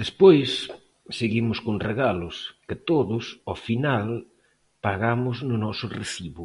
Despois, seguimos con regalos, que todos, ao final, pagamos no noso recibo.